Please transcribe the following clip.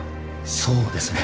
そうですね。